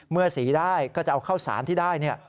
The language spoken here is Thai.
เมื่อสีได้ก็จะเอาข้าวสารที่ได้